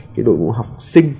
cái đội ngũ học sinh